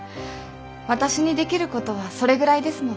私にできることはそれぐらいですので。